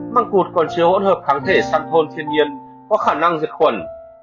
năm măng cụt còn chiếu hỗn hợp kháng thể săn thôn thiên nhiên có khả năng diệt khuẩn